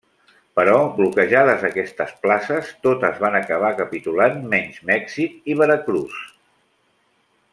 Però bloquejades aquestes places, totes van acabar capitulant menys Mèxic i Veracruz.